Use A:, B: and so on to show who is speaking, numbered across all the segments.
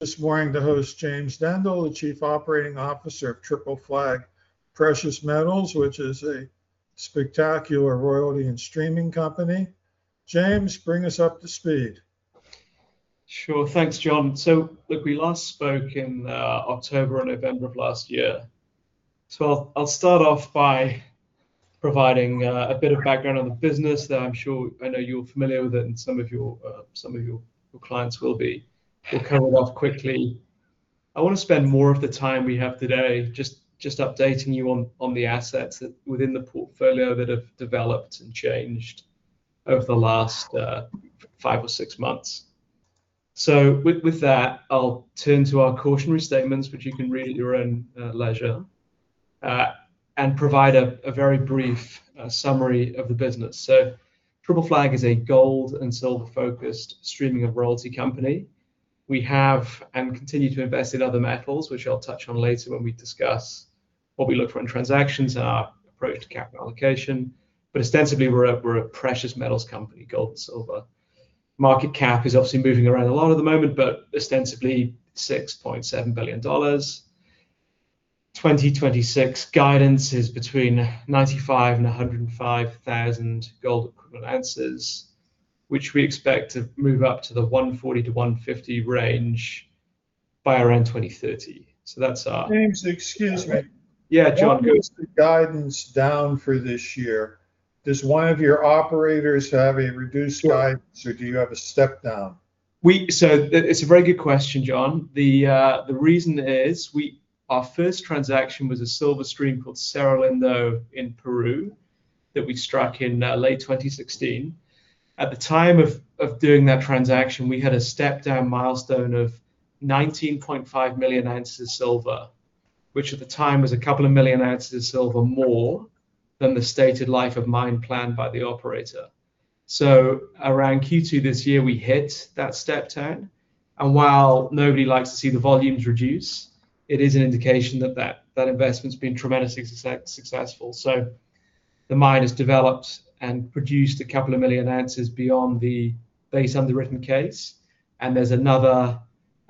A: This morning, the host, James Dendle, the Chief Operating Officer of Triple Flag Precious Metals, which is a spectacular royalty and streaming company. James, bring us up to speed.
B: Sure. Thanks, John. Look, we last spoke in October or November of last year. I'll start off by providing a bit of background on the business that I'm sure I know you're familiar with it, and some of your clients will be. We'll cover it off quickly. I wanna spend more of the time we have today just updating you on the assets that within the portfolio that have developed and changed over the last five or six months. With that, I'll turn to our cautionary statements, which you can read at your own leisure, and provide a very brief summary of the business. Triple Flag is a gold and silver-focused streaming and royalty company. We have and continue to invest in other metals, which I'll touch on later when we discuss what we look for in transactions and our approach to capital allocation. Ostensibly, we're a precious metals company, gold and silver. Market cap is obviously moving around a lot at the moment, but ostensibly $6.7 billion. 2026 guidance is between 95,000 and 105,000 gold equivalent ounces, which we expect to move up to the 140-150 range by around 2030. That's our-
A: James, excuse me.
B: Yeah, John.
A: Why goes the guidance down for this year? Does one of your operators have a reduced guidance?
B: Sure
A: Do you have a step down?
B: It's a very good question, John. The reason is our first transaction was a silver stream called Cerro Lindo in Peru that we struck in late 2016. At the time of doing that transaction, we had a step down milestone of 19.5 million oz silver, which at the time was a couple of million ounces silver more than the stated life of mine planned by the operator. Around Q2 this year, we hit that step down. While nobody likes to see the volumes reduce, it is an indication that investment's been tremendously successful. The mine has developed and produced a couple of million ounces beyond the base underwritten case. There's another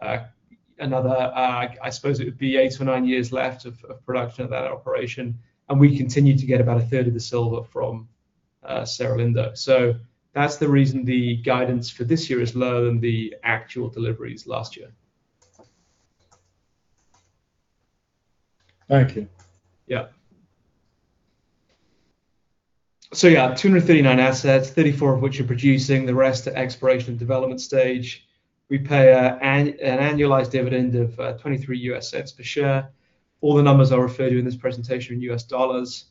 B: I suppose it would be eight or nine years left of production of that operation, and we continue to get about a third of the silver from Cerro Lindo. That's the reason the guidance for this year is lower than the actual deliveries last year.
A: Thank you.
B: Yeah, 239 assets, 34 of which are producing, the rest are exploration and development stage. We pay an annualized dividend of $0.23 per share. All the numbers I'll refer to in this presentation are in U.S. dollars.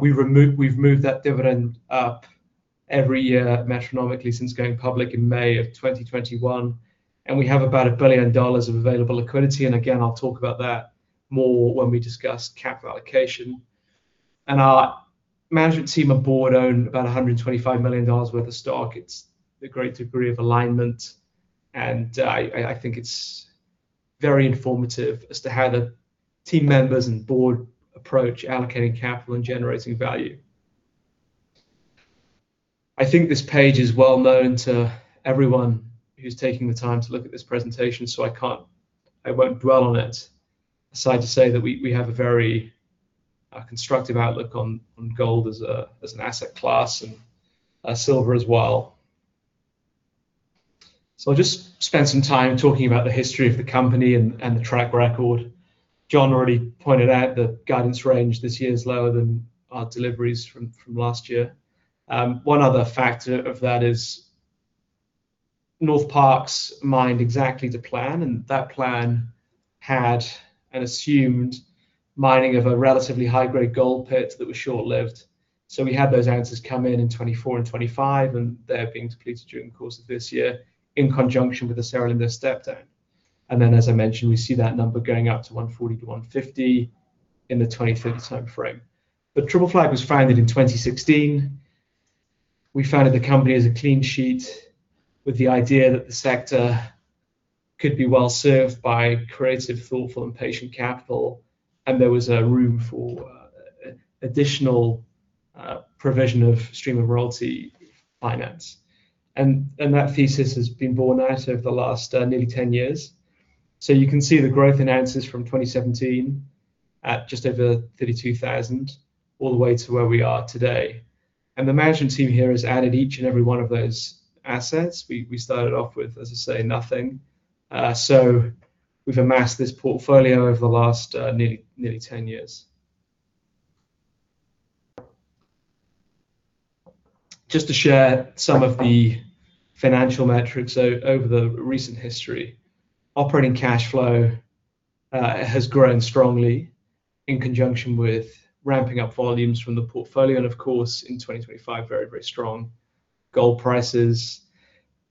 B: We've moved that dividend up every year metronomically since going public in May of 2021, and we have about $1 billion of available liquidity. Again, I'll talk about that more when we discuss capital allocation. Our management team and board own about $125 million worth of stock. It's a great degree of alignment, and I think it's very informative as to how the team members and board approach allocating capital and generating value. I think this page is well known to everyone who's taking the time to look at this presentation, so I won't dwell on it aside to say that we have a very constructive outlook on gold as an asset class and silver as well. I'll just spend some time talking about the history of the company and the track record. John already pointed out the guidance range this year is lower than our deliveries from last year. One other factor of that is Northparkes mined exactly to plan, and that plan had an assumed mining of a relatively high-grade gold pit that was short-lived. We had those ounces come in in 2024 and 2025, and they're being depleted during the course of this year in conjunction with the Cerro Lindo step down. As I mentioned, we see that number going up to 140-150 in the 2030 timeframe. Triple Flag was founded in 2016. We founded the company as a clean sheet with the idea that the sector could be well served by creative, thoughtful, and patient capital, and there was room for additional provision of stream and royalty finance. That thesis has been borne out over the last nearly ten years. You can see the growth in ounces from 2017 at just over 32,000 all the way to where we are today. The management team here has added each and every one of those assets. We started off with, as I say, nothing. We've amassed this portfolio over the last nearly ten years. Just to share some of the financial metrics over the recent history. Operating cash flow has grown strongly in conjunction with ramping up volumes from the portfolio, and of course, in 2025, very, very strong gold prices.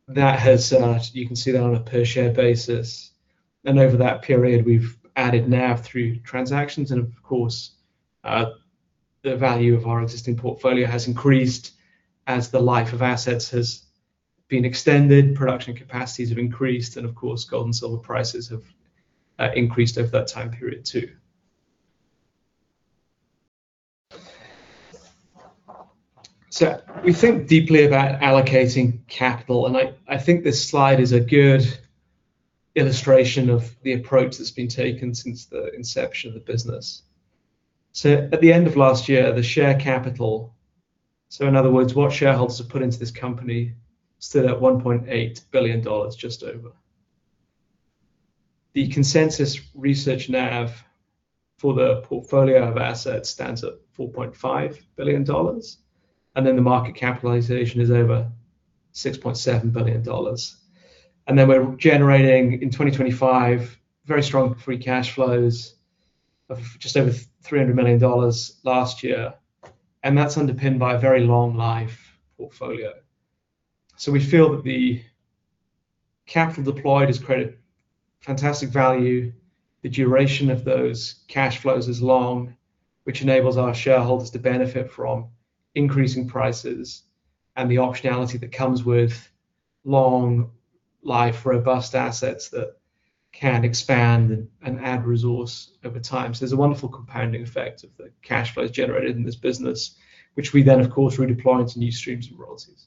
B: That has. You can see that on a per share basis. Over that period, we've added NAV through transactions and of course, the value of our existing portfolio has increased as the life of assets has been extended, production capacities have increased, and of course, gold and silver prices have increased over that time period too. We think deeply about allocating capital, and I think this slide is a good illustration of the approach that's been taken since the inception of the business. At the end of last year, the share capital, so in other words, what shareholders have put into this company stood at just over $1.8 billion. The consensus research NAV for the portfolio of assets stands at $4.5 billion, and then the market capitalization is over $6.7 billion. We're generating in 2025 very strong free cash flows of just over $300 million last year, and that's underpinned by a very long life portfolio. We feel that the capital deployed has created fantastic value. The duration of those cash flows is long, which enables our shareholders to benefit from increasing prices and the optionality that comes with long life robust assets that can expand and add resource over time. There's a wonderful compounding effect of the cash flows generated in this business, which we then of course redeploy into new streams and royalties.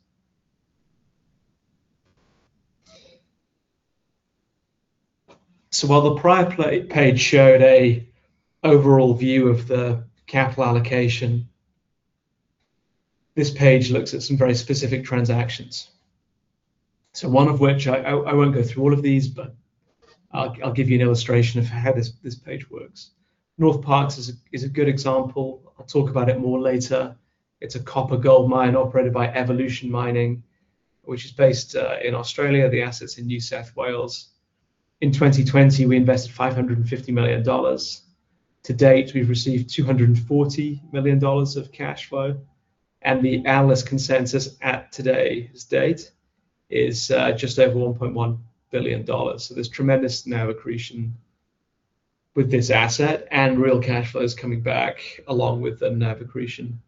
B: While the prior page showed a overall view of the capital allocation, this page looks at some very specific transactions. One of which I won't go through all of these, but I'll give you an illustration of how this page works. Northparkes is a good example. I'll talk about it more later. It's a copper-gold mine operated by Evolution Mining, which is based in Australia, the asset's in New South Wales. In 2020 we invested $550 million. To date, we've received $240 million of cash flow, and the analyst consensus at today's date is just over $1.1 billion. There's tremendous NAV accretion with this asset and real cash flows coming back along with the NAV accretion.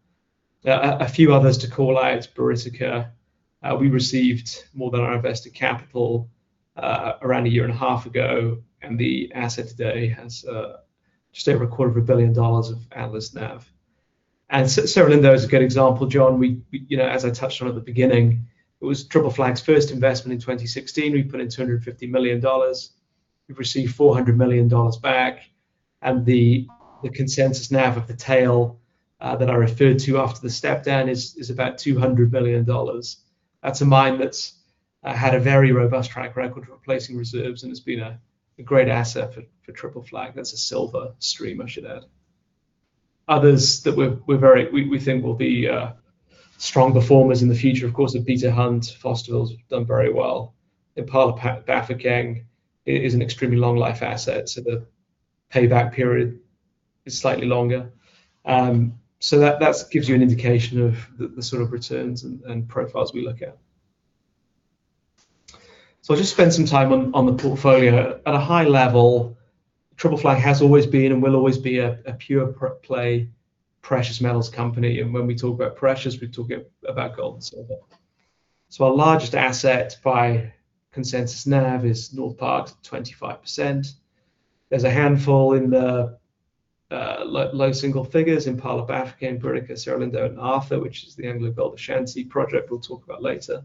B: A few others to call out, Buriticá. We received more than our invested capital around a year and a half ago, and the asset today has just over a quarter of a billion dollars of analyst NAV. Cerro Lindo is a good example, John. We you know, as I touched on at the beginning, it was Triple Flag's first investment in 2016. We put in $250 million. We've received $400 million back, and the consensus NAV of the tail that I referred to after the step down is about $200 million. That's a mine that's had a very robust track record replacing reserves, and it's been a great asset for Triple Flag. That's a silver stream, I should add. Others that we think will be strong performers in the future, of course, the Beta Hunt. Fosterville's done very well. Impala Bafokeng is an extremely long life asset, so the payback period is slightly longer. That gives you an indication of the sort of returns and profiles we look at. I'll just spend some time on the portfolio. At a high level, Triple Flag has always been and will always be a pure-play precious metals company. When we talk about precious, we're talking about gold and silver. Our largest asset by consensus NAV is Northparkes' 25%. There's a handful in the low single figures, Impala Bafokeng, Buriticá, Cerro Lindo and Arthur, which is the AngloGold Ashanti project we'll talk about later.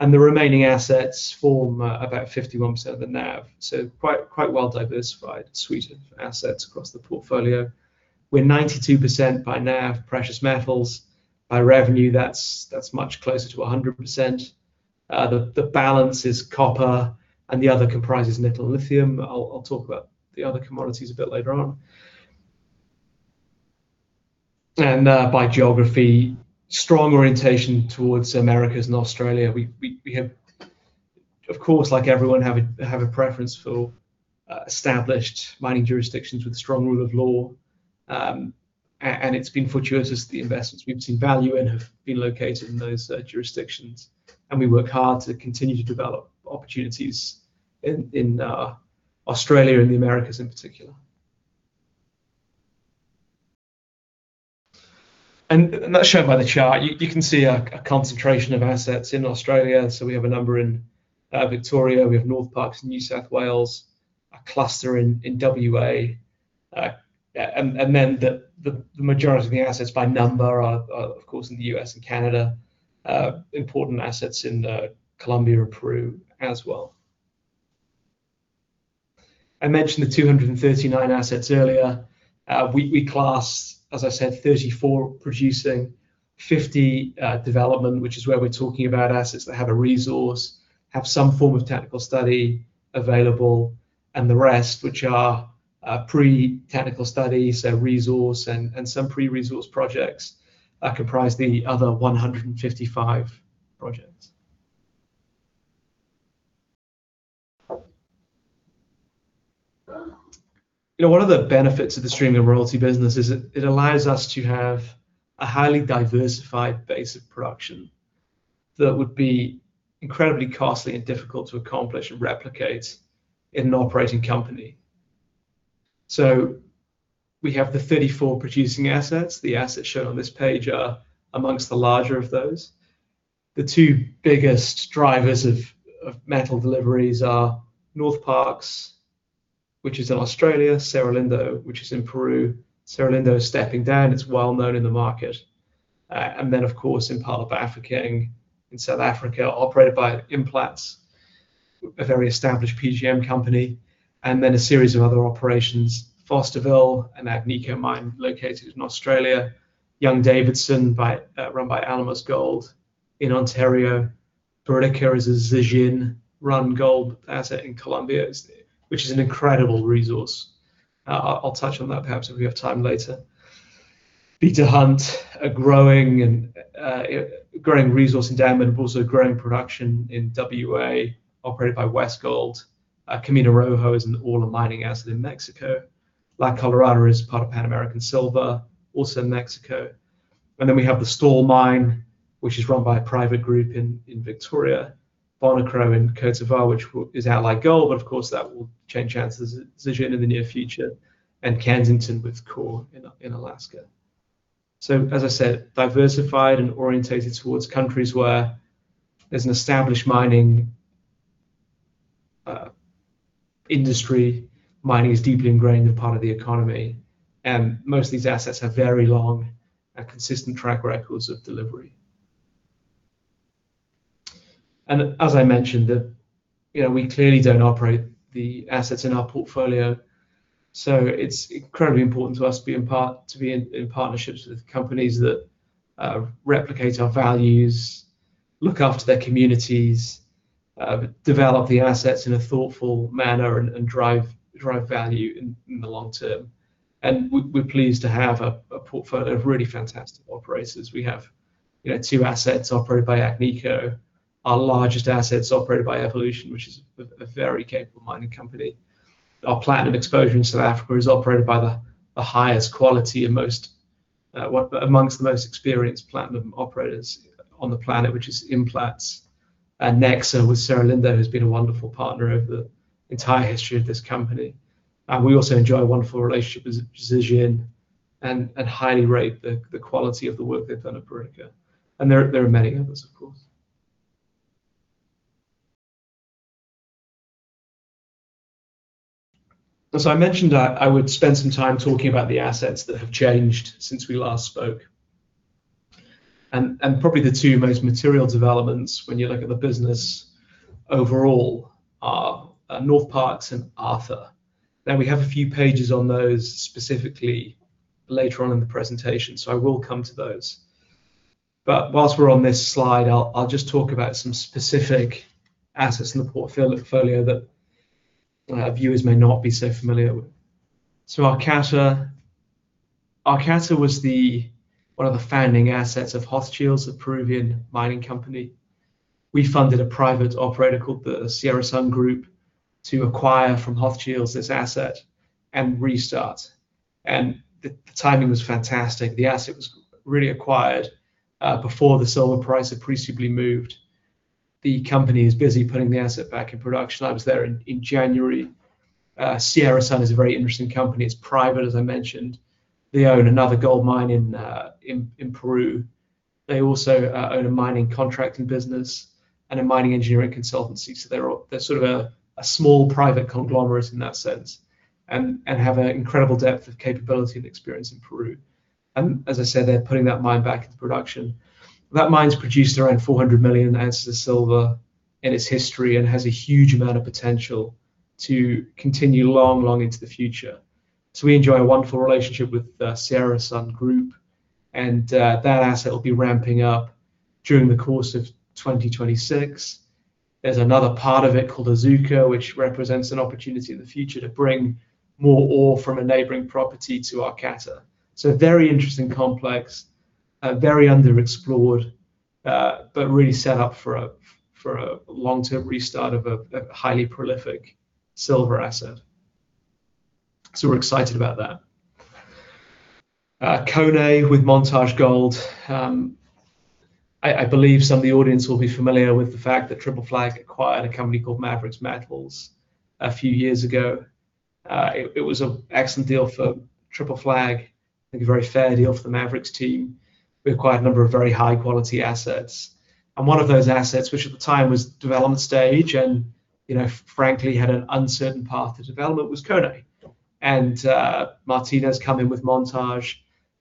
B: The remaining assets form about 51% of the NAV, so quite well-diversified suite of assets across the portfolio. We're 92% by NAV precious metals. By revenue, that's much closer to 100%. The balance is copper, and the other comprises nickel and lithium. I'll talk about the other commodities a bit later on. By geography, strong orientation towards Americas and Australia. We have, of course, like everyone, a preference for established mining jurisdictions with strong rule of law. It's been fortuitous to the investments we've seen value in have been located in those jurisdictions, and we work hard to continue to develop opportunities in Australia and the Americas in particular. As shown by the chart, you can see a concentration of assets in Australia. We have a number in Victoria. We have Northparkes, New South Wales, a cluster in WA. The majority of the assets by number are of course in the U.S. and Canada. Important assets in Colombia and Peru as well. I mentioned the 239 assets earlier. We class, as I said, 34 producing, 50 development, which is where we're talking about assets that have a resource, have some form of technical study available, and the rest which are pre-technical studies, so resource and some pre-resource projects comprise the other 155 projects. You know, one of the benefits of the streaming royalty business is it allows us to have a highly diversified base of production that would be incredibly costly and difficult to accomplish and replicate in an operating company. We have the 34 producing assets. The assets shown on this page are among the larger of those. The two biggest drivers of metal deliveries are Northparkes, which is in Australia. Cerro Lindo, which is in Peru. Cerro Lindo is stepping down. It's well-known in the market. Of course, in part of Africa, in South Africa, operated by Implats, a very established PGM company, and then a series of other operations. Fosterville, an Agnico mine located in Australia. Young-Davidson run by Alamos Gold in Ontario. Buriticá is a Zijin-run gold asset in Colombia, which is an incredible resource. I'll touch on that perhaps if we have time later. Beta Hunt, a growing resource endowment, but also growing production in WA operated by Westgold. Camino Rojo is an all-in mining asset in Mexico. La Colorada is part of Pan American Silver, also in Mexico. We have the Stawell Mine, which is run by a private group in Victoria. Bonikro in Côte d'Ivoire, which is Allied Gold, but of course, that will change hands to Zijin in the near future. Kensington with Coeur in Alaska. As I said, diversified and oriented towards countries where there's an established mining industry. Mining is a deeply ingrained part of the economy, and most of these assets have very long and consistent track records of delivery. As I mentioned, you know, we clearly don't operate the assets in our portfolio, so it's incredibly important to us to be in partnerships with companies that replicate our values, look after their communities, develop the assets in a thoughtful manner, and drive value in the long term. We're pleased to have a portfolio of really fantastic operators. We have, you know, two assets operated by Agnico. Our largest asset is operated by Evolution, which is a very capable mining company. Our platinum exposure in South Africa is operated by the highest quality and most amongst the most experienced platinum operators on the planet, which is Implats. Nexa with Cerro Lindo has been a wonderful partner over the entire history of this company. We also enjoy a wonderful relationship with Zijin and highly rate the quality of the work they've done at Buriticá. There are many others, of course. As I mentioned, I would spend some time talking about the assets that have changed since we last spoke. Probably the two most material developments when you look at the business overall are Northparkes and Arthur. Now, we have a few pages on those specifically later on in the presentation, so I will come to those. While we're on this slide, I'll just talk about some specific assets in the portfolio that our viewers may not be so familiar with. Arcata was one of the founding assets of Hochschild's, a Peruvian mining company. We funded a private operator called the Sierra Sun Group to acquire from Hochschild this asset and restart. The timing was fantastic. The asset was really acquired before the silver price appreciably moved. The company is busy putting the asset back in production. I was there in January. Sierra Sun is a very interesting company. It's private, as I mentioned. They own another gold mine in Peru. They also own a mining contracting business and a mining engineering consultancy. They're sort of a small private conglomerate in that sense and have an incredible depth of capability and experience in Peru. As I said, they're putting that mine back into production. That mine's produced around 400 million oz of silver in its history and has a huge amount of potential to continue long into the future. We enjoy a wonderful relationship with Sierra Sun Group, and that asset will be ramping up during the course of 2026. There's another part of it called Azuca, which represents an opportunity in the future to bring more ore from a neighboring property to Arcata. It's a very interesting complex, very underexplored, but really set up for a long-term restart of a highly prolific silver asset. We're excited about that. Koné with Montage Gold. I believe some of the audience will be familiar with the fact that Triple Flag acquired a company called Maverix Metals a few years ago. It was an excellent deal for Triple Flag and a very fair deal for the Maverix team. We acquired a number of very high-quality assets, and one of those assets, which at the time was development stage and, you know, frankly, had an uncertain path to development, was Koné. Martino come in with Montage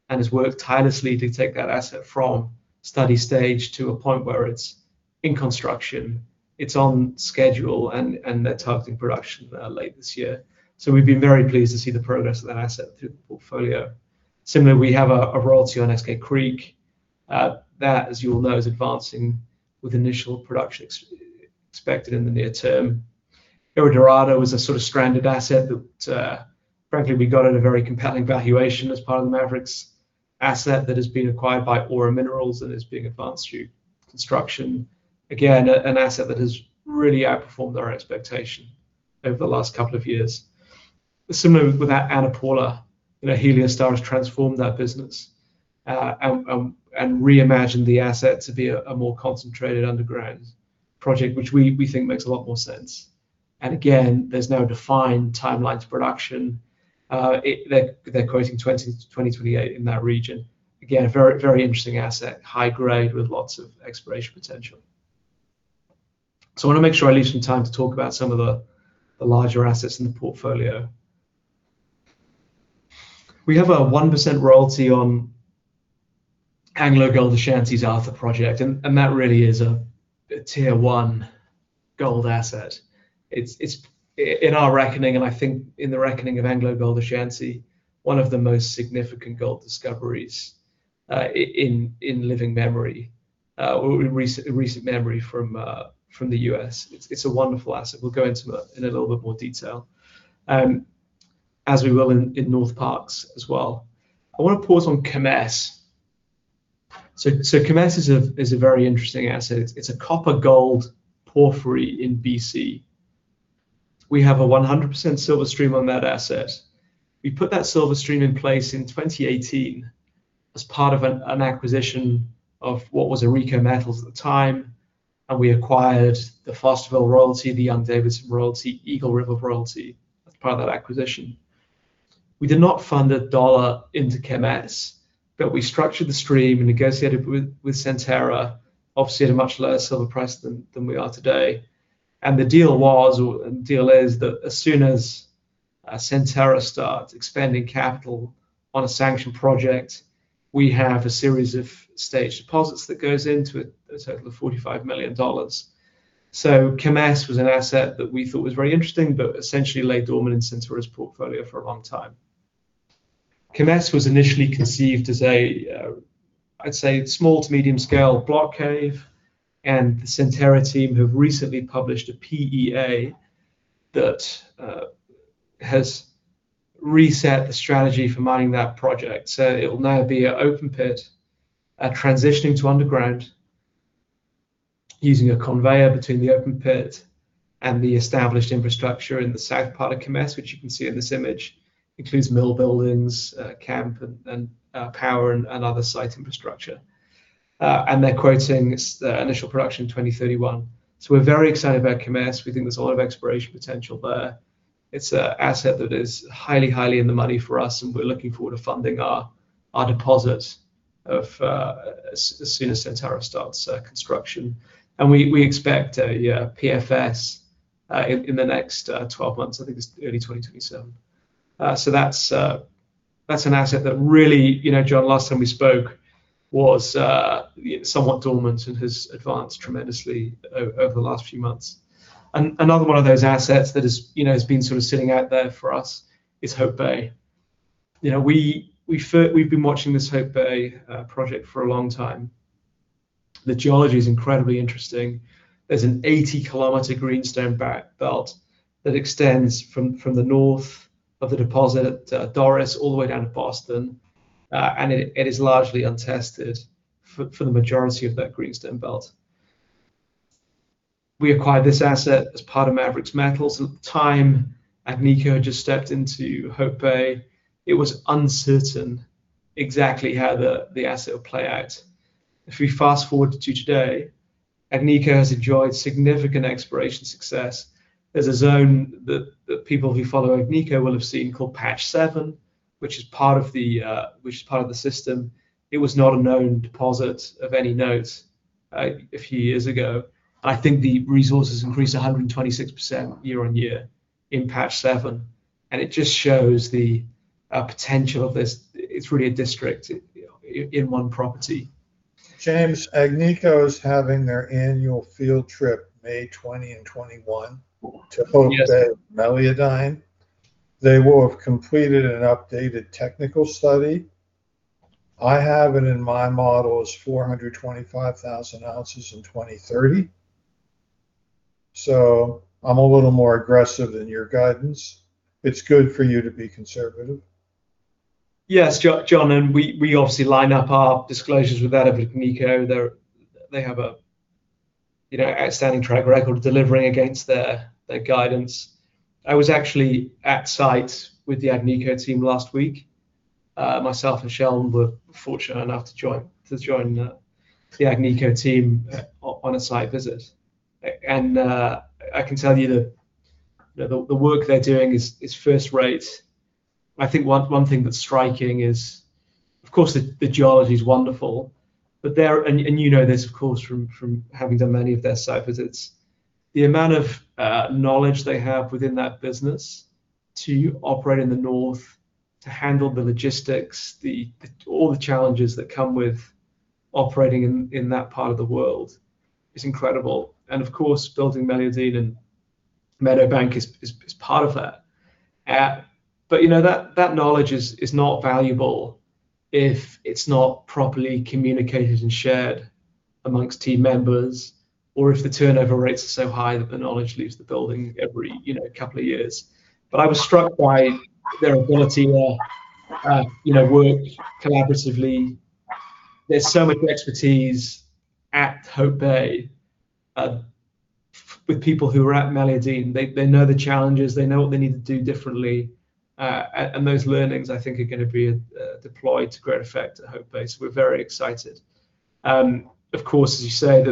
B: and has worked tirelessly to take that asset from study stage to a point where it's in construction, it's on schedule, and they're targeting production late this year. We've been very pleased to see the progress of that asset through the portfolio. Similarly, we have a royalty on Eskay Creek. That, as you all know, is advancing with initial production expected in the near term. El Dorado is a sort of stranded asset that, frankly, we got at a very compelling valuation as part of the Maverix' asset that has been acquired by Aura Minerals and is being advanced through construction. Again, an asset that has really outperformed our expectation over the last couple of years. Similar with that Ana Paula. You know, Heliostar has transformed that business, and reimagined the asset to be a more concentrated underground project, which we think makes a lot more sense. Again, there's no defined timeline to production. They're quoting 2020-2028 in that region. Again, a very, very interesting asset. High grade with lots of exploration potential. I want to make sure I leave some time to talk about some of the larger assets in the portfolio. We have a 1% royalty on AngloGold Ashanti's Arthur project, and that really is a tier one gold asset. It's in our reckoning, and I think in the reckoning of AngloGold Ashanti, one of the most significant gold discoveries in living memory or in recent memory from the U.S. It's a wonderful asset. We'll go into it in a little bit more detail, as we will in Northparkes as well. I wanna pause on Kemess. Kemess is a very interesting asset. It's a copper gold porphyry in B.C. We have a 100% silver stream on that asset. We put that silver stream in place in 2018 as part of an acquisition of what was AuRico Metals at the time, and we acquired the Fosterville royalty, the Young-Davidson royalty, Eagle River royalty as part of that acquisition. We did not fund a dollar into Kemess, but we structured the stream and negotiated with Centerra, obviously at a much lower silver price than we are today. The deal was, or the deal is that as soon as Centerra starts expanding capital on a sanctioned project, we have a series of staged deposits that goes into it, a total of $45 million. Kemess was an asset that we thought was very interesting, but essentially laid dormant in Centerra's portfolio for a long time. Kemess was initially conceived as a, I'd say small to medium scale block cave, and the Centerra team have recently published a PEA that has reset the strategy for mining that project. It will now be an open pit transitioning to underground using a conveyor between the open pit and the established infrastructure in the south part of Kemess, which you can see in this image, includes mill buildings, camp, and power and other site infrastructure. They're quoting its initial production in 2031. We're very excited about Kemess. We think there's a lot of exploration potential there. It's an asset that is highly in the money for us, and we're looking forward to funding our deposit as soon as Centerra starts construction. We expect a PFS in the next 12 months. I think it's early 2027. That's an asset that really, you know, John, last time we spoke, was somewhat dormant and has advanced tremendously over the last few months. Another one of those assets that has, you know, been sort of sitting out there for us is Hope Bay. You know, we've been watching this Hope Bay project for a long time. The geology is incredibly interesting. There's an 80 km greenstone belt that extends from the north of the deposit at Doris all the way down to Boston. It is largely untested for the majority of that greenstone belt. We acquired this asset as part of Maverix Metals. At the time, Agnico had just stepped into Hope Bay. It was uncertain exactly how the asset would play out. If we fast-forward to today, Agnico has enjoyed significant exploration success. There's a zone that people who follow Agnico will have seen called Patch Seven, which is part of the system. It was not a known deposit of any note a few years ago. I think the resource has increased 126% year-on-year in Patch Seven, and it just shows the potential of this. It's really a district in one property.
A: James, Agnico is having their annual field trip May 20 and 21 to Hope Bay.
B: Yes
A: Meliadine. They will have completed an updated technical study. I have it in my model as 425,000 oz in 2030. So I'm a little more aggressive than your guidance. It's good for you to be conservative.
B: Yes, John, we obviously line up our disclosures with that of Agnico. They have a, you know, outstanding track record of delivering against their guidance. I was actually at site with the Agnico team last week. Myself and Sheldon were fortunate enough to join the Agnico team on a site visit. I can tell you the work they're doing is first rate. I think one thing that's striking is, of course, the geology is wonderful. You know this, of course, from having done many of their site visits. The amount of knowledge they have within that business to operate in the north, to handle the logistics, all the challenges that come with operating in that part of the world is incredible. Of course, building Meliadine and Meadowbank is part of that. You know that knowledge is not valuable if it's not properly communicated and shared amongst team members or if the turnover rates are so high that the knowledge leaves the building every, you know, couple of years. I was struck by their ability to, you know, work collaboratively. There's so much expertise at Hope Bay with people who are at Meliadine. They know the challenges. They know what they need to do differently. And those learnings I think are gonna be deployed to great effect at Hope Bay. We're very excited. Of course, as you say,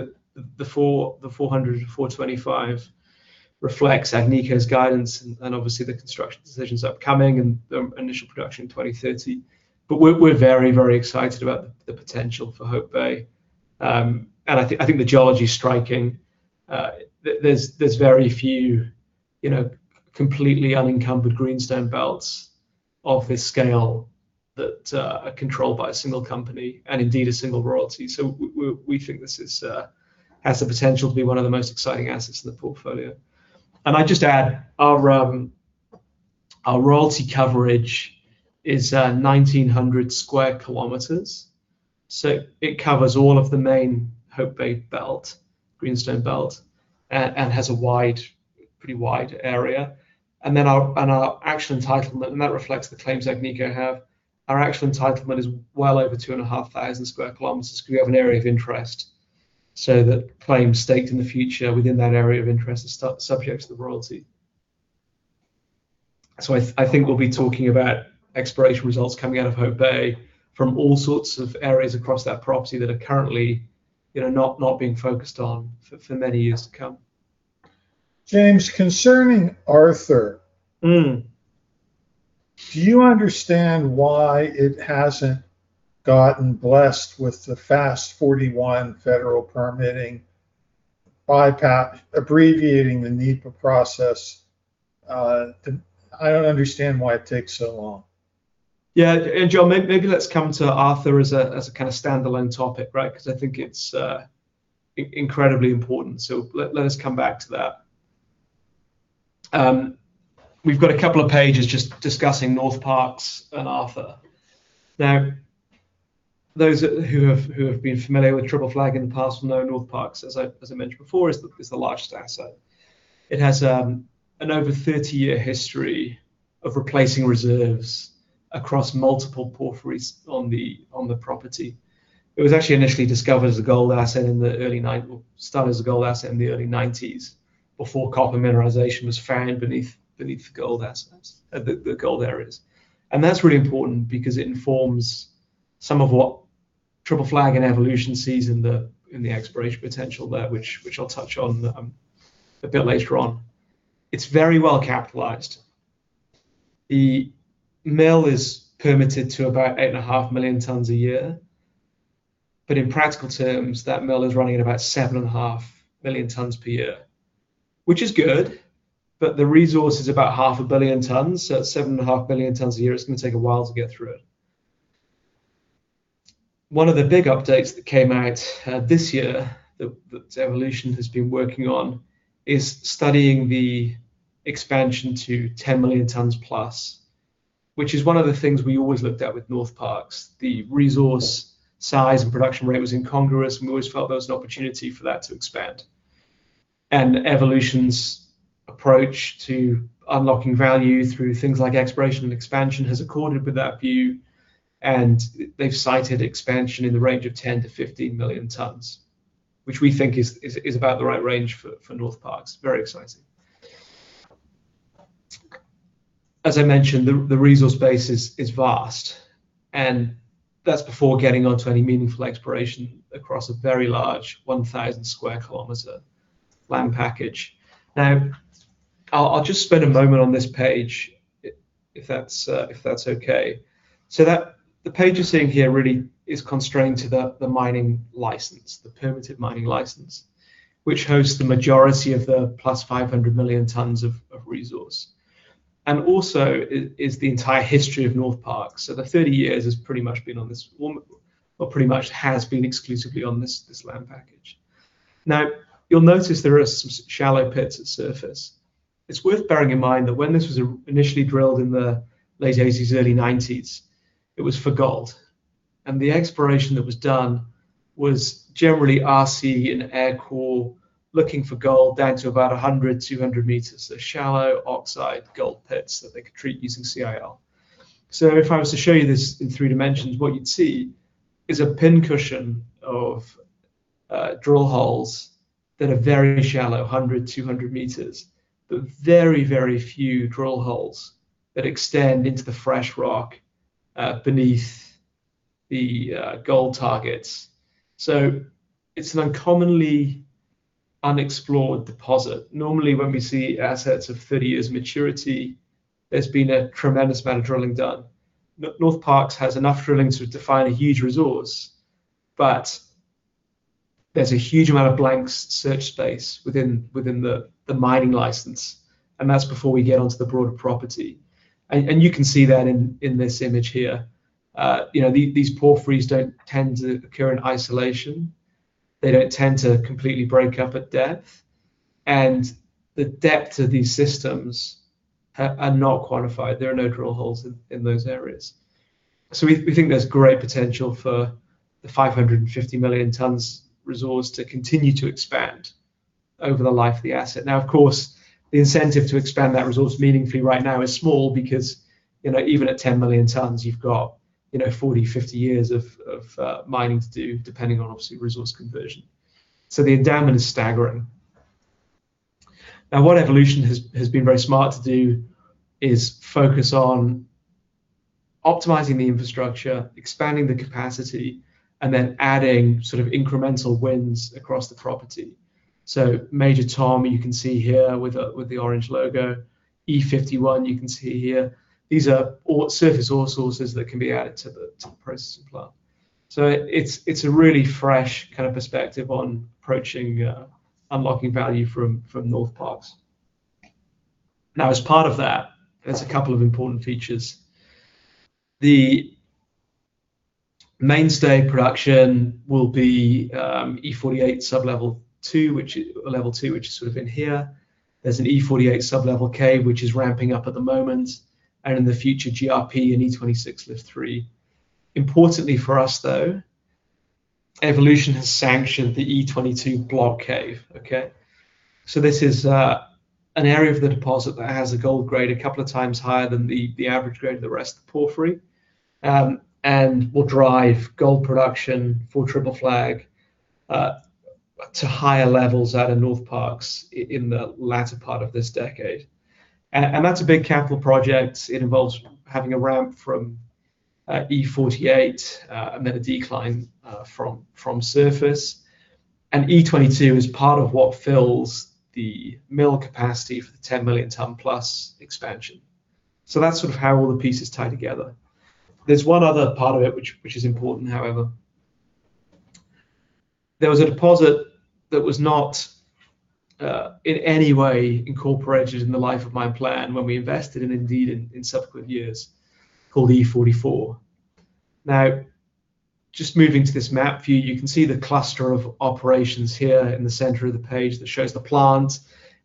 B: the 400-425 reflects Agnico's guidance and obviously the construction decisions upcoming and the initial production in 2030. We're very excited about the potential for Hope Bay. I think the geology is striking. There's very few, you know, completely unencumbered greenstone belts of this scale that are controlled by a single company and indeed a single royalty. We think this has the potential to be one of the most exciting assets in the portfolio. I'd just add our royalty coverage is 1,900 sq km. It covers all of the main Hope Bay belt, greenstone belt, and has a pretty wide area. Our actual entitlement, and that reflects the claims Agnico has, is well over 2,500 sq km because we have an area of interest so that claims staked in the future within that area of interest are subject to the royalty. I think we'll be talking about exploration results coming out of Hope Bay from all sorts of areas across that property that are currently, you know, not being focused on for many years to come.
A: James, concerning Arthur.
B: Mm.
A: Do you understand why it hasn't gotten blessed with the FAST-41 federal permitting bypass abbreviating the NEPA process? I don't understand why it takes so long.
B: John, maybe let's come to Arthur as a kind of standalone topic, right? 'Cause I think it's incredibly important. Let us come back to that. We've got a couple of pages just discussing Northparkes and Arthur. Now, those who have been familiar with Triple Flag in the past will know Northparkes, as I mentioned before, is the largest asset. It has an over 30-year history of replacing reserves across multiple porphyries on the property. It was actually initially discovered as a gold asset in the early 1990s before copper mineralization was found beneath the gold assets, the gold areas. That's really important because it informs some of what Triple Flag and Evolution sees in the exploration potential there, which I'll touch on a bit later on. It's very well capitalized. The mill is permitted to about 8.5 million tons a year. In practical terms, that mill is running at about 7.5 million tons per year, which is good, but the resource is about 500 million tons. At 7.5 million tons a year, it's gonna take a while to get through it. One of the big updates that came out this year that Evolution has been working on is studying the expansion to 10 million tons plus, which is one of the things we always looked at with Northparkes. The resource size and production rate was incongruous, and we always felt there was an opportunity for that to expand. Evolution's approach to unlocking value through things like exploration and expansion has accorded with that view, and they've cited expansion in the range of 10 million-15 million tons, which we think is about the right range for Northparkes. Very exciting. As I mentioned, the resource base is vast, and that's before getting onto any meaningful exploration across a very large 1,000 sq km land package. Now, I'll just spend a moment on this page if that's okay. The page you're seeing here really is constrained to the mining license, the permitted mining license, which hosts the majority of the plus 500 million tons of resource, and also is the entire history of Northparkes. The 30 years has pretty much been exclusively on this land package. Now, you'll notice there are some shallow pits at surface. It's worth bearing in mind that when this was initially drilled in the late 1980s, early 1990s, it was for gold. The exploration that was done was generally RC and air core looking for gold down to about 100 m, 200 m. Shallow oxide gold pits that they could treat using CIL. If I was to show you this in three dimensions, what you'd see is a pin cushion of drill holes that are very shallow, 100 m, 200 m. But very, very few drill holes that extend into the fresh rock beneath the gold targets. It's an uncommonly unexplored deposit. Normally, when we see assets of 30 years maturity, there's been a tremendous amount of drilling done. Northparkes has enough drilling to define a huge resource, but there's a huge amount of blank search space within the mining license, and that's before we get onto the broader property. You can see that in this image here. You know, these porphyries don't tend to occur in isolation. They don't tend to completely break up at depth. The depth of these systems are not quantified. There are no drill holes in those areas. We think there's great potential for the 550 million tons resource to continue to expand over the life of the asset. Now, of course, the incentive to expand that resource meaningfully right now is small because, you know, even at 10 million tons, you've got, you know, 40-50 years of mining to do, depending on obviously resource conversion. The endowment is staggering. Now, what Evolution has been very smart to do is focus on optimizing the infrastructure, expanding the capacity, and then adding sort of incremental wins across the property. Major Tom, you can see here with the orange logo. E51, you can see here. These are all surface ore sources that can be added to the processing plant. It's a really fresh kind of perspective on approaching unlocking value from Northparkes. Now, as part of that, there's a couple of important features. The mainstay production will be E48 sublevel two, which is... Level 2, which is sort of in here. There's an E48 sublevel K which is ramping up at the moment, and in the future GRP and E26 lift 3. Importantly for us, though, Evolution has sanctioned the E22 block cave, okay? This is an area of the deposit that has a gold grade a couple of times higher than the average grade of the rest of the porphyry, and will drive gold production for Triple Flag to higher levels out of Northparkes in the latter part of this decade. That's a big capital project. It involves having a ramp from E48 and then a decline from surface. E22 is part of what fills the mill capacity for the 10 million ton-plus expansion. That's sort of how all the pieces tie together. There's one other part of it which is important, however. There was a deposit that was not in any way incorporated in the life of mine plan when we invested, and indeed in subsequent years, called E44. Now, just moving to this map view, you can see the cluster of operations here in the center of the page that shows the plant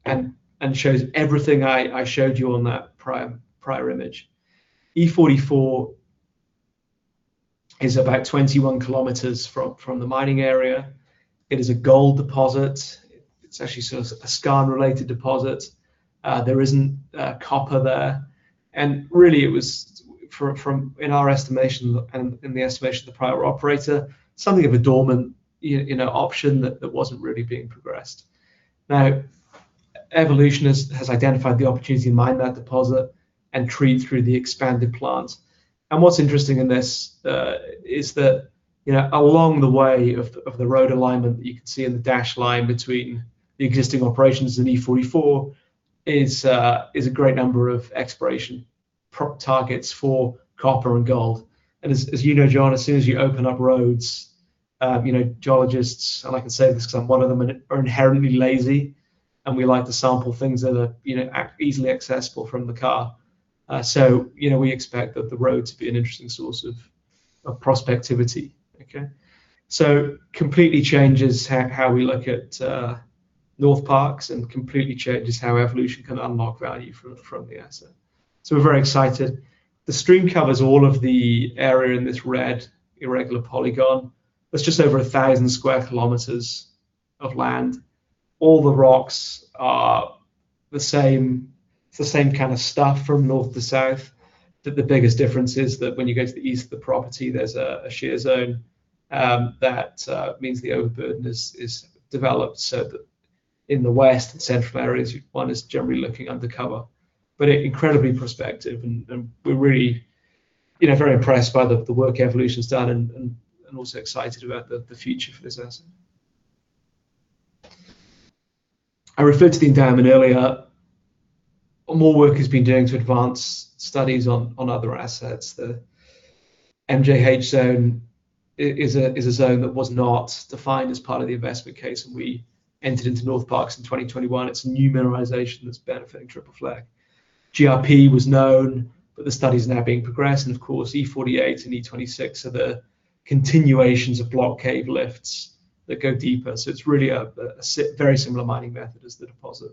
B: and shows everything I showed you on that prior image. E44 is about 21 km from the mining area. It is a gold deposit. It's actually sort of a skarn related deposit. There isn't copper there. And really it was from in our estimation and in the estimation of the prior operator, something of a dormant, you know, option that wasn't really being progressed. Now, Evolution has identified the opportunity to mine that deposit and treat through the expanded plant. What's interesting in this is that, you know, along the way of the road alignment that you can see in the dashed line between the existing operations and E44 is a great number of exploration targets for copper and gold. As you know, John, as soon as you open up roads, you know, geologists, and I can say this 'cause I'm one of them, are inherently lazy, and we like to sample things that are, you know, easily accessible from the car. You know, we expect that the road to be an interesting source of prospectivity. Okay. Completely changes how we look at Northparkes and completely changes how Evolution can unlock value from the asset. We're very excited. The stream covers all of the area in this red irregular polygon. That's just over 1,000 sq km of land. All the rocks are the same. It's the same kind of stuff from north to south. The biggest difference is that when you go to the east of the property, there's a shear zone that means the overburden is developed so that in the west and central areas one is generally looking undercover but incredibly prospective, and we're really, you know, very impressed by the work Evolution's done and also excited about the future for this asset. I referred to the endowment earlier. More work has been doing to advance studies on other assets. The MJH zone is a zone that was not defined as part of the investment case when we entered into Northparkes in 2021. It's new mineralization that's benefiting Triple Flag. GRP was known, but the study's now being progressed and of course E48 and E26 are the continuations of block cave lifts that go deeper. It's really very similar mining method as the deposit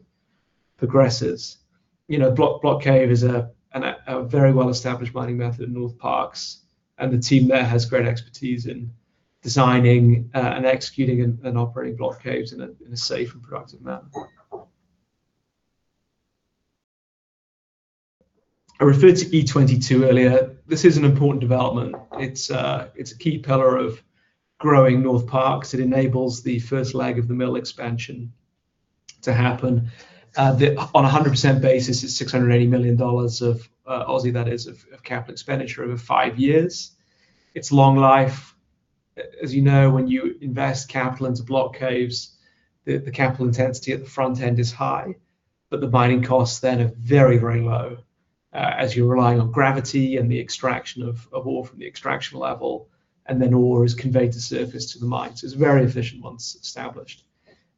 B: progresses. Block cave is a very well-established mining method at Northparkes, and the team there has great expertise in designing and executing and operating block caves in a safe and productive manner. I referred to E22 earlier. This is an important development. It's a key pillar of growing Northparkes. It enables the first leg of the mill expansion to happen. The... On a 100% basis, it's 680 million dollars of Aussie, that is, of capital expenditure over five years. It's long life. As you know, when you invest capital into block caves, the capital intensity at the front end is high, but the mining costs then are very, very low, as you're relying on gravity and the extraction of ore from the extraction level, and then ore is conveyed to surface to the mine. It's very efficient once established.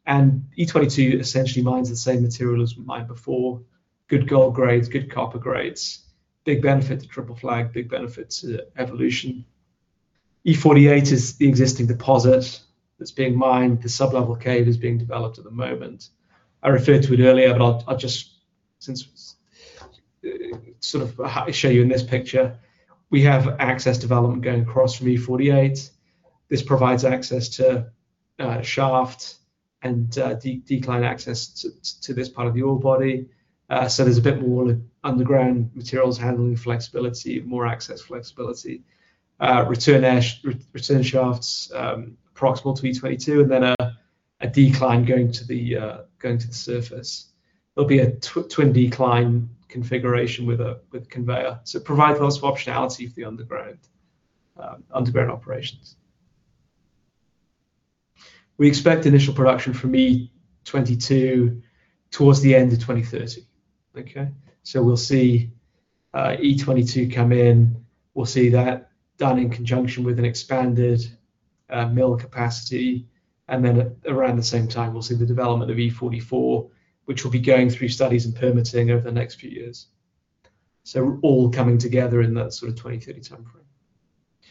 B: E22 essentially mines the same material as we mined before. Good gold grades, good copper grades. Big benefit to Triple Flag, big benefit to Evolution. E48 is the existing deposit that's being mined. The sublevel cave is being developed at the moment. I referred to it earlier, but I'll just show you in this picture. We have access development going across from E48. This provides access to a shaft and decline access to this part of the ore body. So there's a bit more underground materials handling flexibility, more access flexibility. Return shafts proximal to E22, and then a decline going to the surface. There'll be a twin decline configuration with a conveyor. So it provides lots of optionality for the underground operations. We expect initial production from E22 towards the end of 2030. Okay? So we'll see E22 come in. We'll see that done in conjunction with an expanded mill capacity. At around the same time, we'll see the development of E44, which will be going through studies and permitting over the next few years. All coming together in that sort of 20-30 timeframe.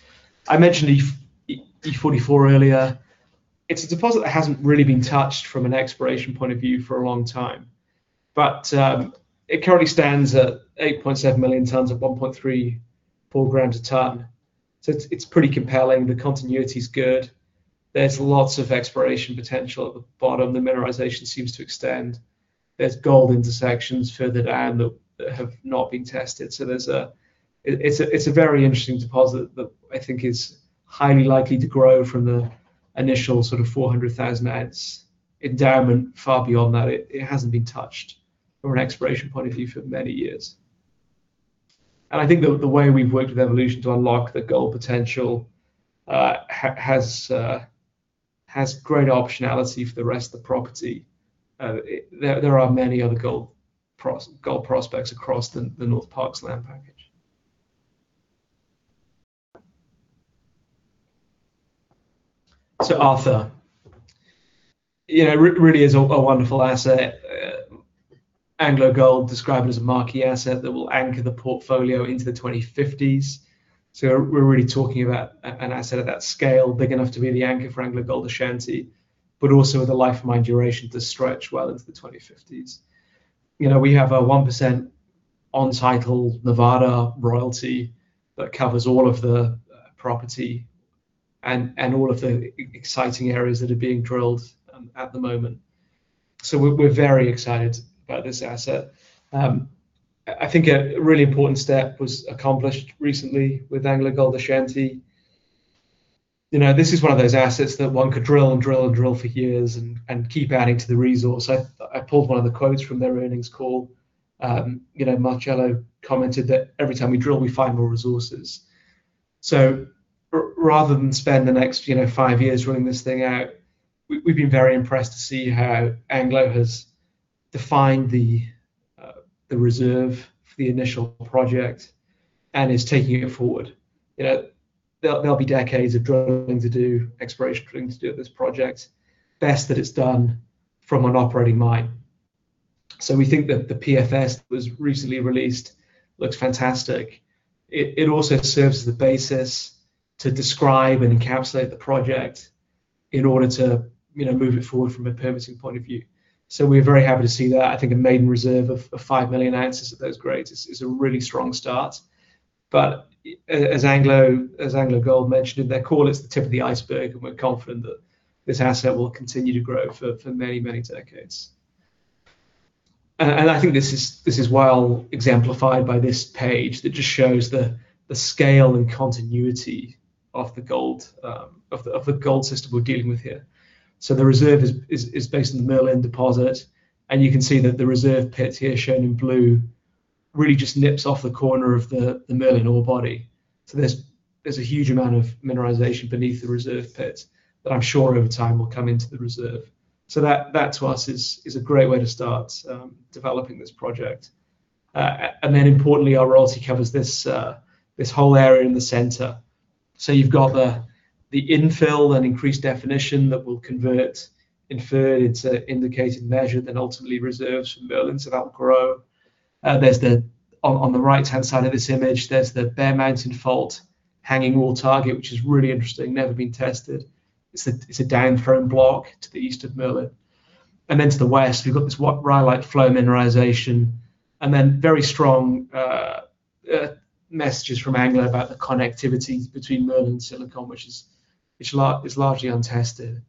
B: I mentioned E44 earlier. It's a deposit that hasn't really been touched from an exploration point of view for a long time. It currently stands at 8.7 million tons at 1.34 g a ton. It's pretty compelling. The continuity is good. There's lots of exploration potential at the bottom. The mineralization seems to extend. There's gold intersections further down that have not been tested. It's a very interesting deposit that I think is highly likely to grow from the initial sort of 400,000 oz endowment far beyond that. It hasn't been touched from an exploration point of view for many years. I think the way we've worked with Evolution to unlock the gold potential has great optionality for the rest of the property. There are many other gold prospects across the Northparkes land package. Arthur, you know, really is a wonderful asset. AngloGold Ashanti described it as a marquee asset that will anchor the portfolio into the 2050s. We're really talking about an asset of that scale, big enough to be the anchor for AngloGold Ashanti, but also with a life of mine duration to stretch well into the 2050s. You know, we have a 1% on title Nevada royalty that covers all of the property and all of the exciting areas that are being drilled at the moment. We're very excited about this asset. I think a really important step was accomplished recently with AngloGold Ashanti. You know, this is one of those assets that one could drill and drill and drill for years and keep adding to the resource. I pulled one of the quotes from their earnings call. You know, Marcello commented that every time we drill, we find more resources. Rather than spend the next, you know, five years running this thing out, we've been very impressed to see how Anglo has defined the reserve for the initial project and is taking it forward. You know, there'll be decades of drilling to do, exploration drilling to do at this project. Best that it's done from an operating mine. We think that the PFS that was recently released looks fantastic. It also serves as the basis to describe and encapsulate the project in order to, you know, move it forward from a permitting point of view. We're very happy to see that. I think a maiden reserve of 5 million oz at those grades is a really strong start. As AngloGold Ashanti mentioned in their call, it's the tip of the iceberg, and we're confident that this asset will continue to grow for many decades. I think this is well exemplified by this page that just shows the scale and continuity of the gold system we're dealing with here. The reserve is based on the Merlin deposit, and you can see that the reserve pits here shown in blue really just nips off the corner of the Merlin ore body. There's a huge amount of mineralization beneath the reserve pits that I'm sure over time will come into the reserve. That to us is a great way to start developing this project. Then importantly, our royalty covers this whole area in the center. You've got the infill and increased definition that will convert inferred into indicated measure, then ultimately reserves from Merlin so that'll grow. On the right-hand side of this image, there's the Bear Mountain fault hanging wall target, which is really interesting. Never been tested. It's a downthrown block to the east of Merlin. To the west, we've got this rhyolite flow mineralization, and then very strong messages from AngloGold Ashanti about the connectivity between Merlin and Silicon, which is largely untested.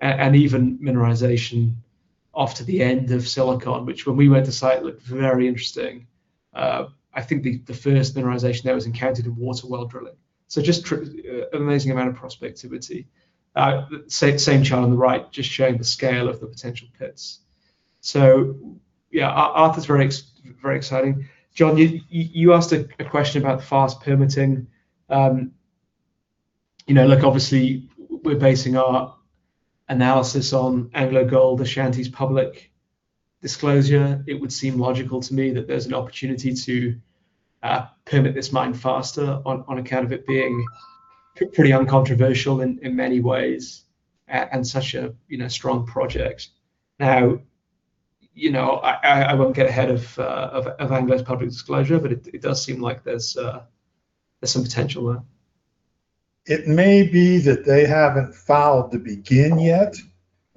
B: And even mineralization off to the end of Silicon, which when we went to site looked very interesting. I think the furthest mineralization there was encountered in water well drilling. Just amazing amount of prospectivity. The same chart on the right just showing the scale of the potential pits. Yeah, Arthur's very exciting. John, you asked a question about the FAST-41 permitting. You know, look, obviously we're basing our analysis on AngloGold Ashanti's public disclosure. It would seem logical to me that there's an opportunity to permit this mine faster on account of it being pretty uncontroversial in many ways and such a, you know, strong project. Now, you know, I won't get ahead of Anglo's public disclosure, but it does seem like there's some potential there.
A: It may be that they haven't filed to begin yet,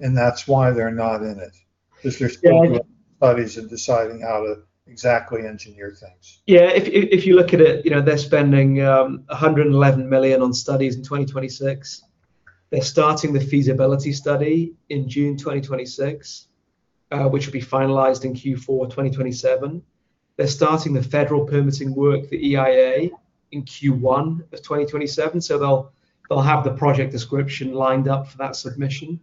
A: and that's why they're not in it. 'Cause they're still doing studies and deciding how to exactly engineer things.
B: Yeah. If you look at it, you know, they're spending $111 million on studies in 2026. They're starting the feasibility study in June 2026, which will be finalized in Q4 2027. They're starting the federal permitting work, the EIA, in Q1 of 2027. They'll have the project description lined up for that submission.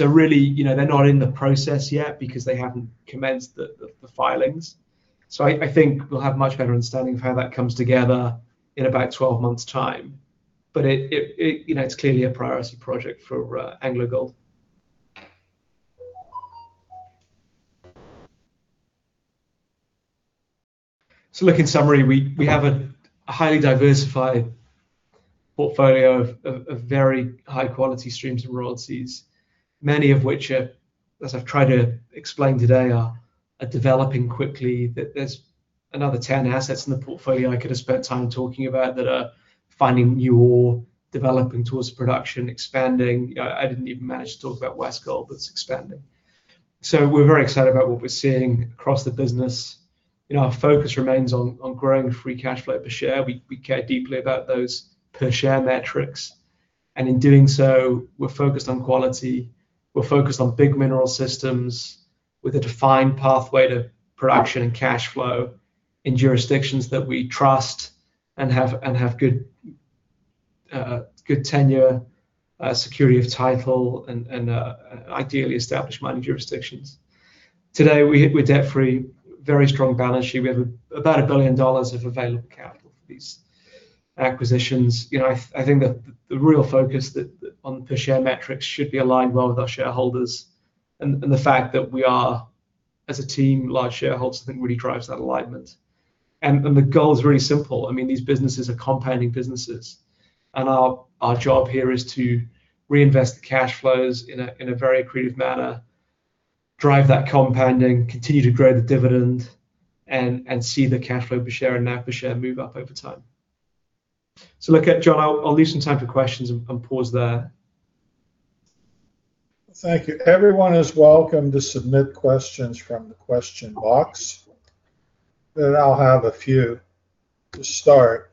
B: Really, you know, they're not in the process yet because they haven't commenced the filings. I think we'll have much better understanding of how that comes together in about 12 months' time. It. You know, it's clearly a priority project for AngloGold. Look, in summary, we have a highly diversified portfolio of very high-quality streams and royalties, many of which are, as I've tried to explain today, are developing quickly. There's another 10 assets in the portfolio I could have spent time talking about that are finding new ore, developing towards production, expanding. I didn't even manage to talk about Westgold Resources that's expanding. We're very excited about what we're seeing across the business. You know, our focus remains on growing free cash flow per share. We care deeply about those per share metrics. In doing so, we're focused on quality, we're focused on big mineral systems with a defined pathway to production and cash flow in jurisdictions that we trust and have good tenure, security of title and ideally established mining jurisdictions. Today we're debt-free with a very strong balance sheet. We have about $1 billion of available capital for these acquisitions. You know, I think that the real focus on per share metrics should be aligned well with our shareholders and the fact that we are as a team large shareholders I think really drives that alignment. The goal is really simple. I mean, these businesses are compounding businesses, and our job here is to reinvest the cash flows in a very accretive manner, drive that compounding, continue to grow the dividend and see the cash flow per share and NAV per share move up over time. Look, John, I'll leave some time for questions and pause there.
A: Thank you. Everyone is welcome to submit questions from the question box. I'll have a few to start.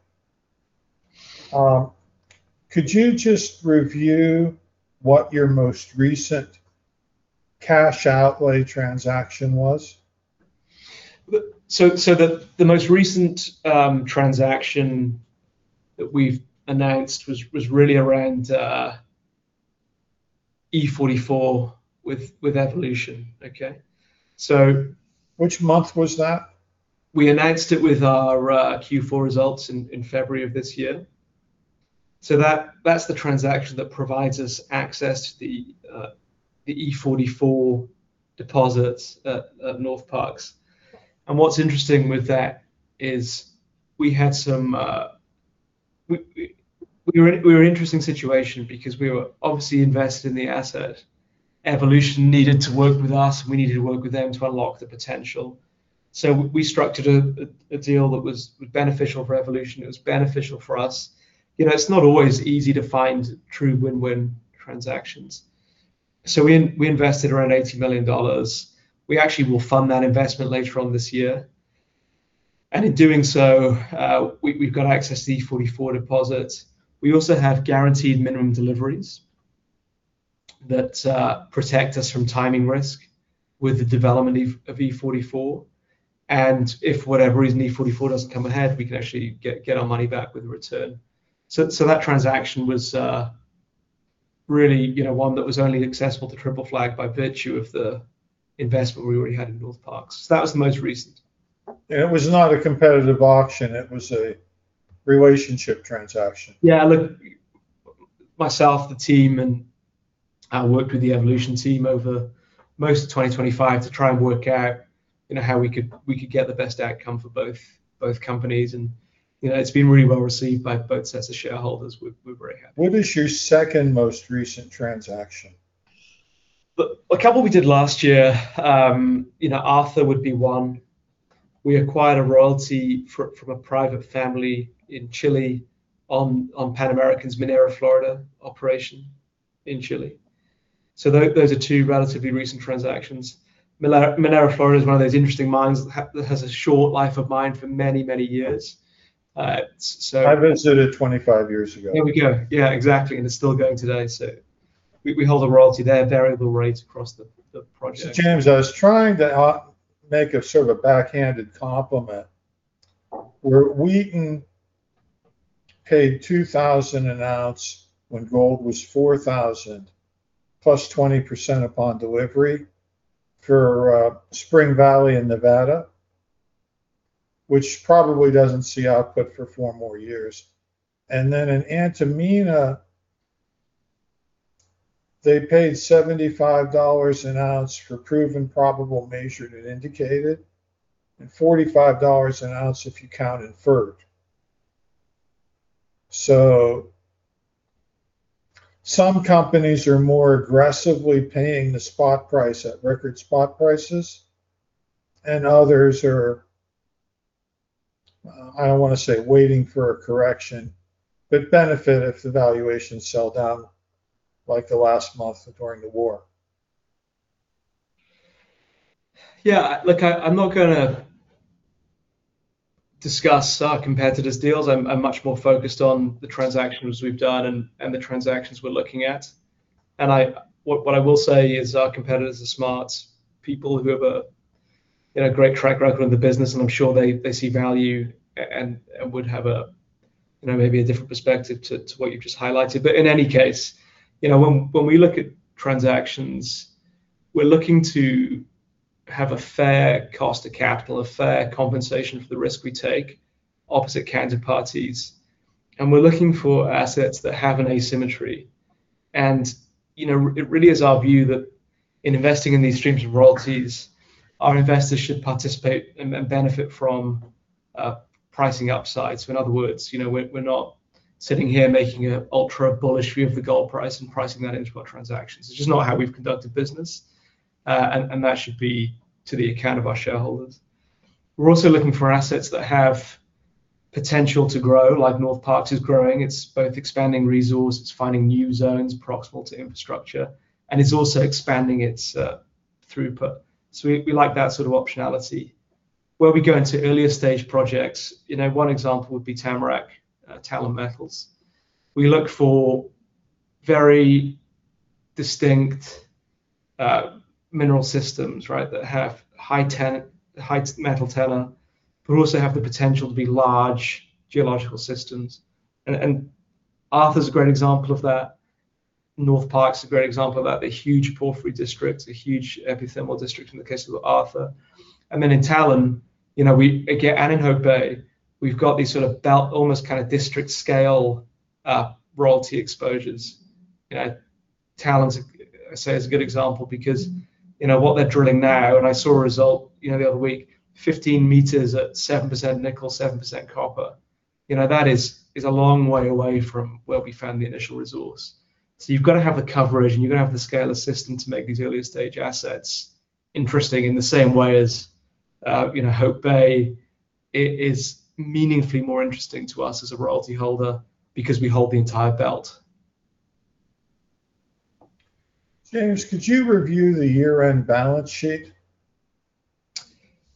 A: Could you just review what your most recent cash outlay transaction was?
B: The most recent transaction that we've announced was really around E44 with Evolution.
A: Which month was that?
B: We announced it with our Q4 results in February of this year. That's the transaction that provides us access to the E44 deposits at Northparkes'. What's interesting with that is we were in an interesting situation because we were obviously invested in the asset. Evolution needed to work with us, and we needed to work with them to unlock the potential. We structured a deal that was beneficial for Evolution. It was beneficial for us. You know, it's not always easy to find true win-win transactions. We invested around $80 million. We actually will fund that investment later on this year. In doing so, we've got access to the E44 deposits. We also have guaranteed minimum deliveries that protect us from timing risk with the development of E44. If for whatever reason E44 doesn't come ahead, we can actually get our money back with a return. That transaction was really, you know, one that was only accessible to Triple Flag by virtue of the investment we already had in Northparkes. That was the most recent.
A: It was not a competitive auction, it was a relationship transaction.
B: Yeah. Look, myself, the team, and I worked with the Evolution team over most of 2025 to try and work out, you know, how we could get the best outcome for both companies and, you know, it's been really well received by both sets of shareholders. We're very happy.
A: What is your second most recent transaction?
B: Look, a couple we did last year. You know, another would be one. We acquired a royalty from a private family in Chile on Pan American Silver's Minera Florida operation in Chile. Those are two relatively recent transactions. Minera Florida is one of those interesting mines that has a short life of mine for many, many years.
A: I visited 25 years ago.
B: There we go. Yeah, exactly. It's still going today, so we hold a royalty there at variable rates across the project.
A: James, I was trying to make a sort of a backhanded compliment, where Wheaton paid $2,000 an ounce when gold was $4,000 plus 20% upon delivery for Spring Valley in Nevada, which probably doesn't see output for 4 more years. Then in Antamina, they paid $75 an ounce for proven probable measured and indicated, and $45 an ounce if you count inferred. Some companies are more aggressively paying the spot price at record spot prices, and others are, I don't wanna say waiting for a correction, but benefit if the valuations sell down like the last month during the war.
B: Yeah. Look, I'm not gonna discuss our competitors' deals. I'm much more focused on the transactions we've done and the transactions we're looking at. What I will say is our competitors are smart people who have a you know great track record in the business, and I'm sure they see value and would have a you know maybe a different perspective to what you've just highlighted. But in any case, you know, when we look at transactions, we're looking to have a fair cost of capital, a fair compensation for the risk we take opposite counterparties, and we're looking for assets that have an asymmetry. You know, it really is our view that in investing in these streams of royalties, our investors should participate and benefit from pricing upsides. In other words, you know, we're not sitting here making an ultra-bullish view of the gold price and pricing that into our transactions. It's just not how we've conducted business, and that should be to the account of our shareholders. We're also looking for assets that have potential to grow, like Northparkes is growing. It's both expanding resource, it's finding new zones proximal to infrastructure, and it's also expanding its throughput. We like that sort of optionality. Where we go into earlier stage projects, you know, one example would be Tamarack, Talon Metals. We look for very distinct mineral systems, right, that have high metal tenor, but also have the potential to be large geological systems. Arthur's a great example of that. Northparkes a great example of that. The huge porphyry district, the huge epithermal district in the case of Arthur. In Talon, you know, we again in Hope Bay, we've got these sort of belt almost kind of district scale royalty exposures. You know, Talon's, I say, is a good example because, you know, what they're drilling now, and I saw a result, you know, the other week, 15 m at 7% nickel, 7% copper. You know, that is a long way away from where we found the initial resource. You've got to have the coverage and you've got to have the scale of system to make these earlier stage assets interesting in the same way as, you know, Hope Bay is meaningfully more interesting to us as a royalty holder because we hold the entire belt.
A: James, could you review the year-end balance sheet?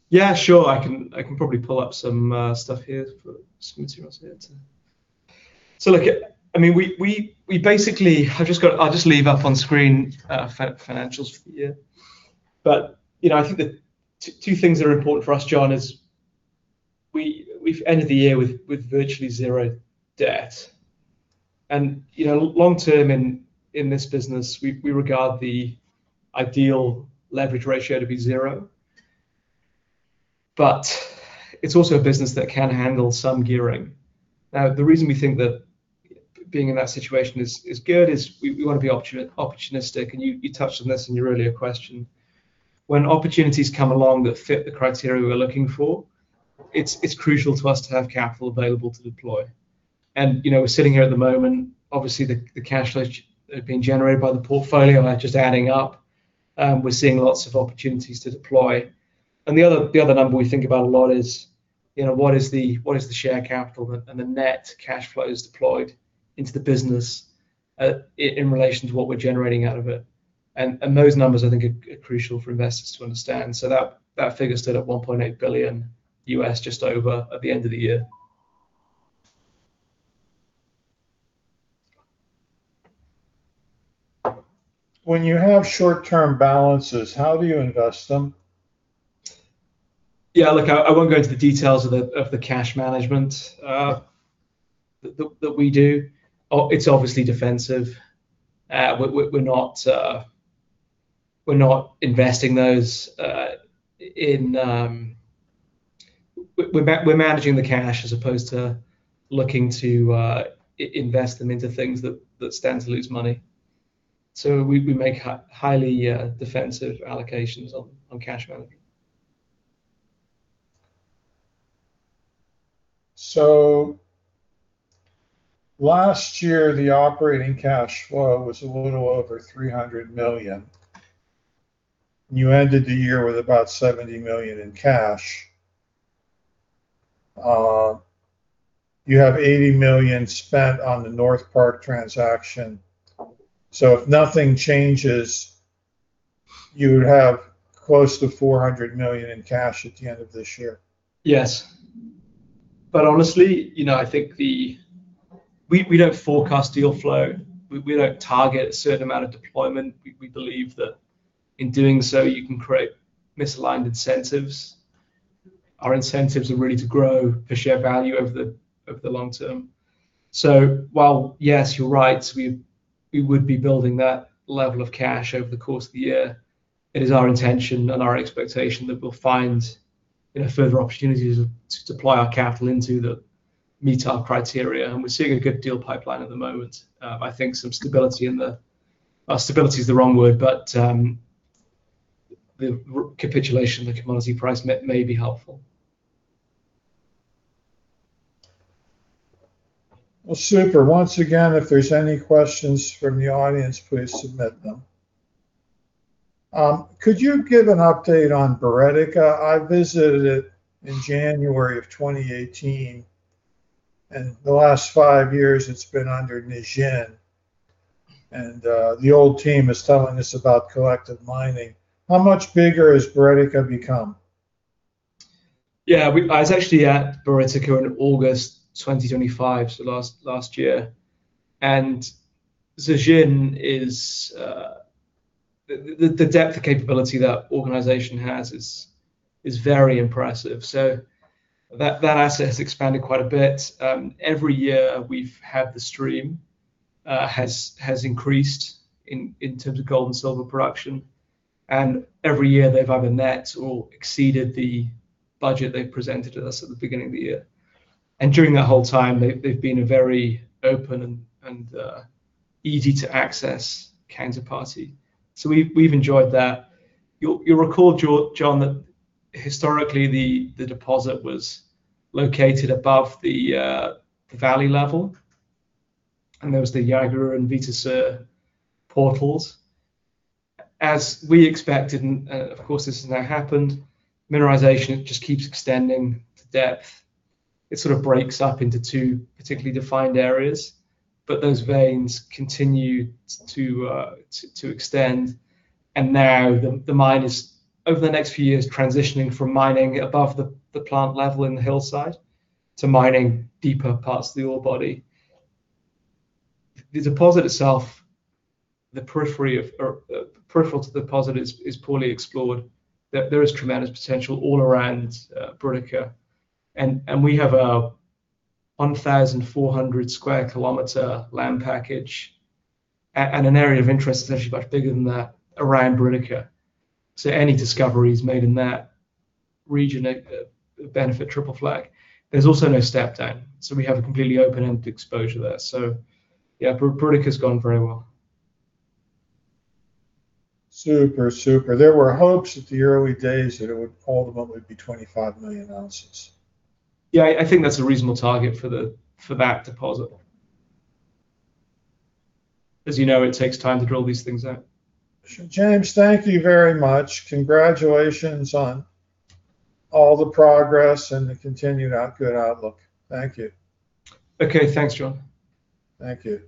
B: Yeah, sure. I can probably pull up some stuff here for some materials here. Look, yeah I mean, we basically. I've just got. I'll just leave up on screen, financials for the year. You know, I think the two things that are important for us, John, is we've ended the year with virtually zero debt. You know, long term in this business, we regard the ideal leverage ratio to be zero. It's also a business that can handle some gearing. Now, the reason we think that being in that situation is good is we wanna be opportunistic, and you touched on this in your earlier question. When opportunities come along that fit the criteria we're looking for, it's crucial to us to have capital available to deploy. You know, we're sitting here at the moment, obviously, the cash flow has been generated by the portfolio. They're just adding up. We're seeing lots of opportunities to deploy. The other number we think about a lot is, you know, what is the share capital and the net cash flows deployed into the business, in relation to what we're generating out of it? Those numbers I think are crucial for investors to understand. That figure stood at $1.8 billion, just over, at the end of the year.
A: When you have short-term balances, how do you invest them?
B: Yeah, look, I won't go into the details of the cash management that we do. It's obviously defensive. We're not investing those. We're managing the cash as opposed to looking to invest them into things that stand to lose money. We make highly defensive allocations on cash management.
A: Last year, the operating cash flow was a little over $300 million, and you ended the year with about $70 million in cash. You have $80 million spent on the Northparkes transaction. If nothing changes, you would have close to $400 million in cash at the end of this year.
B: Yes. Honestly, you know, I think we don't forecast deal flow. We don't target a certain amount of deployment. We believe that in doing so, you can create misaligned incentives. Our incentives are really to grow the share value over the long term. While, yes, you're right, we would be building that level of cash over the course of the year, it is our intention and our expectation that we'll find, you know, further opportunities to deploy our capital into that meet our criteria, and we're seeing a good deal pipeline at the moment. I think stability is the wrong word, but the capitulation of the commodity price may be helpful.
A: Well, super. Once again, if there's any questions from the audience, please submit them. Could you give an update on Buriticá? I visited it in January of 2018, and the last five years it's been under Zijin. The old team is telling us about Collective Mining. How much bigger has Buriticá become?
B: I was actually at Buriticá in August 2025, so last year and Zijin is. The depth of capability that organization has is very impressive. That asset has expanded quite a bit. Every year we've had the stream has increased in terms of gold and silver production and every year they've either met or exceeded the budget they've presented to us at the beginning of the year. During that whole time, they've been a very open and easy to access counterparty. We've enjoyed that. You'll recall, John, that historically the deposit was located above the valley level, and there was the Jagar and Veta Sur portals. As we expected, of course this has now happened, mineralization just keeps extending to depth. It sort of breaks up into two particularly defined areas, but those veins continue to extend. Now the mine is over the next few years transitioning from mining above the plant level in the hillside to mining deeper parts of the ore body. The deposit itself, peripheral to the deposit is poorly explored. There is tremendous potential all around Buriticá and we have a 1,400 sq km land package and an area of interest that's actually much bigger than that around Buriticá. Any discoveries made in that region benefit Triple Flag. There's also no step down, so we have a completely open-ended exposure there. Yeah, Buriticá has gone very well.
A: Super, super. There were hopes at the early days that it would ultimately be 25 million oz.
B: Yeah, I think that's a reasonable target for that deposit. As you know, it takes time to drill these things out.
A: Sure. James, thank you very much. Congratulations on all the progress and the continued good outlook. Thank you.
B: Okay, thanks John.
A: Thank you.